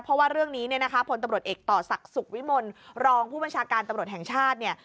เพราะว่าเรื่องนี้ผลตำรวจเอกต่อศักดิ์สุขวิมลรองผู้บัญชาการตำรวจแห่งชาติ